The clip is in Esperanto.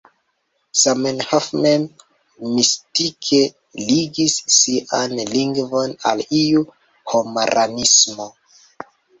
Zamenhof mem, mistike ligis sian lingvon al iu homaranismo.